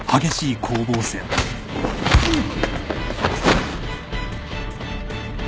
うっ。